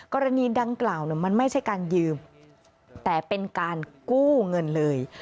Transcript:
กรณีดังกล่าวมันไม่ใช่การยืมแต่เป็นการกู้เงินเลย